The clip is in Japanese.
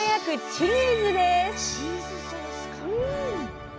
チーズソースか。